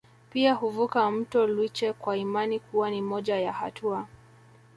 Pia huvuka mto Lwiche kwa imani kuwa ni moja ya hatua